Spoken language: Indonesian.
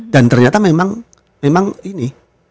dan ternyata memang ini